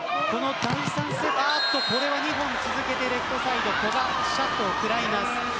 日本、続けてレフトサイド古賀シャットをくらいます。